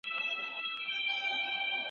دا دوه سوه دي.